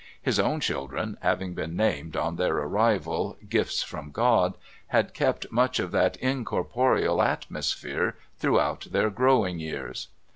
His own children, having been named, on their arrival, "Gifts from God," had kept much of that incorporeal atmosphere throughout their growing years.